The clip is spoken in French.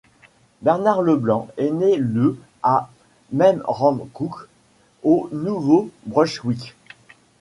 Bernard LeBlanc est né le à Memramcook, au Nouveau-Brunswick.